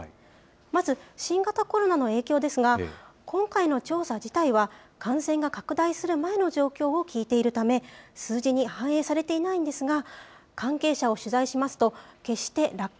まず、新型コロナの影響ですが、今回の調査自体は感染が拡大する前の状況を聞いているため、数字に反映されていないんですが、関係者を取材しますと、決して楽観